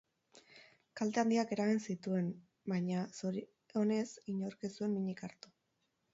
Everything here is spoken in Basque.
Kalte handiak eragin zituen baina, zorionez, inork ez zuen minik hartu.